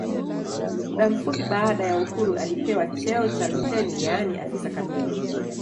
Muda mfupi baada ya uhuru alipewa cheo cha luteni yaani afisa kamili